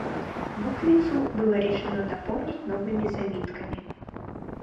Буквицу было решено дополнить новыми завитками.